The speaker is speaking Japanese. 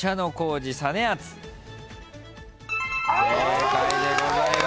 正解でございます。